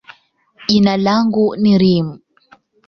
jina langu ni Reem.